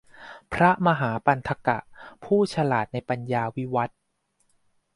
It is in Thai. พระมหาปันถกะ ผู้ฉลาดในปัญญาวิวัฎ